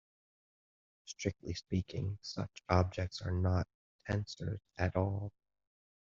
Strictly speaking, such objects are not tensors at all.